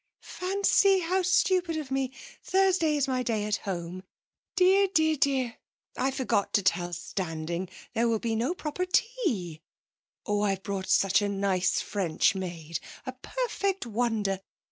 'Fancy! How stupid of me! Thursday is my day at home. Dear, dear, dear. I forgot to tell Standing; there will be no proper tea. Oh, I've brought such a nice French maid a perfect wonder.